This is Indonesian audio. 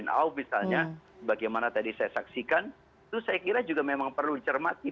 dan saya ingin membenarkan misalnya bagaimana tadi saya saksikan itu saya kira juga memang perlu dicermati